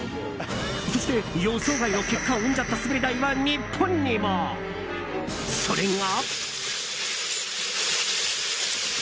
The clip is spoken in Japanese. そして、予想外の結果を生んじゃった滑り台は日本にも。それが。